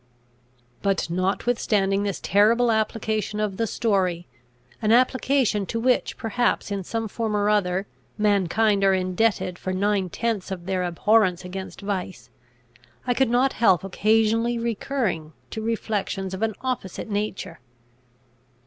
But, notwithstanding this terrible application of the story, an application to which perhaps in some form or other, mankind are indebted for nine tenths of their abhorrence against vice, I could not help occasionally recurring to reflections of an opposite nature.